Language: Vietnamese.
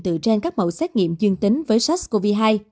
từ trên các mẫu xét nghiệm dương tính với sars cov hai